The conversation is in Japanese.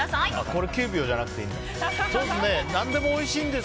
これ９秒じゃなくていいんだ。